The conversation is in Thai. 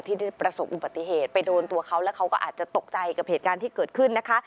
ที่ได้ประสบอุบัติเหตุไปโดนตัวเขาแล้วเขาก็อาจจะตกใจกับเหตุการณ์ที่เกิดขึ้นนะคะ